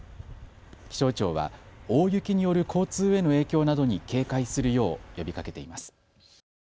気象庁は大雪による交通への影響などに警戒するよう呼びかけています。